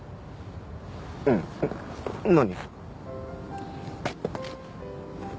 うん何？